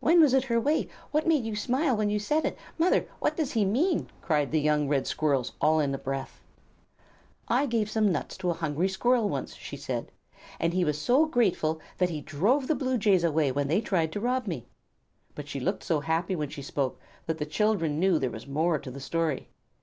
"When was it her way? What makes you smile when you say it? Mother, what does he mean?" cried the young Red Squirrels all in a breath. "I gave some nuts to a hungry Squirrel once," she said, "and he was so grateful that he drove the Blue Jays away when they tried to rob me." But she looked so happy as she spoke that the children knew there was more to the story.